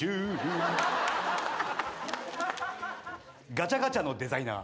ガチャガチャのデザイナー。